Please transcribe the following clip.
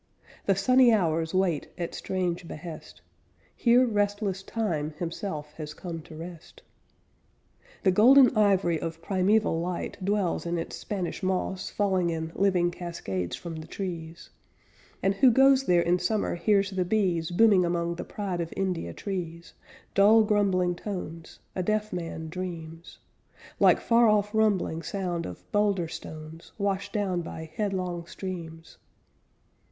The sunny hours wait at strange behest. Here restless Time himself has come to rest. The golden ivory of primeval light Dwells in its Spanish moss, Falling in living cascades from the trees, And who goes there in summer hears the bees Booming among the Pride of India trees, Dull grumbling tones, A deaf man dreams, Like far off rumbling sound of boulder stones Washed down by headlong streams.